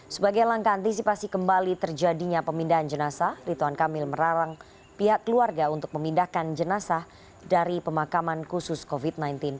sebagai langkah antisipasi kembali terjadinya pemindahan jenazah rituan kamil melarang pihak keluarga untuk memindahkan jenazah dari pemakaman khusus covid sembilan belas